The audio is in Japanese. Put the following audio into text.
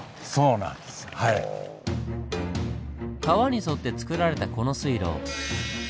川に沿ってつくられたこの水路。